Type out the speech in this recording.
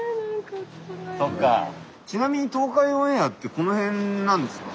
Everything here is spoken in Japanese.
ちなみに東海オンエアってこの辺なんですよね。